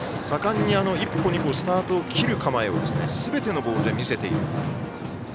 盛んに１歩、２歩スタートを切る構えをすべてのボールで見せている。